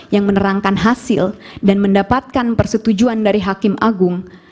yang menerangkan hasil dan mendapatkan persetujuan dari hakim agung